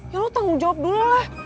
ya lu tanggung jawab dulu lah